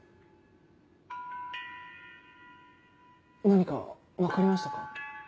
何か分かりましたか？